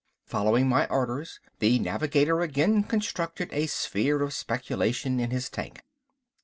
Following my orders, the navigator again constructed a sphere of speculation in his tank.